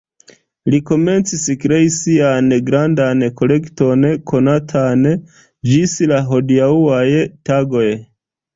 Li komencis krei sian grandan kolekton, konatan ĝis la hodiaŭaj tagoj.